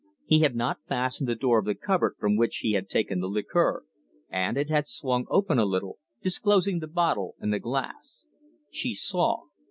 He had not fastened the door of the cupboard from which he had taken the liqueur, and it had swung open a little, disclosing the bottle and the glass. She saw.